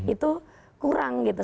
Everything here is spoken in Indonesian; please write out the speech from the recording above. itu kurang gitu